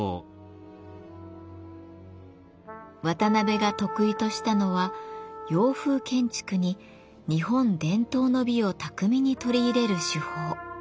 渡辺が得意としたのは洋風建築に日本伝統の美を巧みに取り入れる手法。